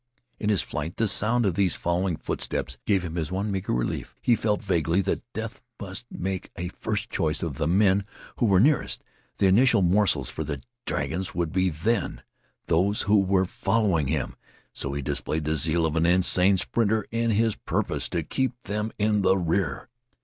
In his flight the sound of these following footsteps gave him his one meager relief. He felt vaguely that death must make a first choice of the men who were nearest; the initial morsels for the dragons would be then those who were following him. So he displayed the zeal of an insane sprinter in his purpose to keep them in the rear.